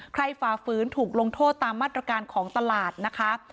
ฝ่าฝืนถูกลงโทษตามมาตรการของตลาดนะคะ